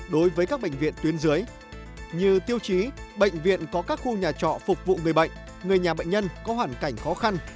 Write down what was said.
dưới như tiêu chí bệnh viện có các khu nhà trọ phục vụ người bệnh người nhà bệnh nhân có hoàn cảnh khó khăn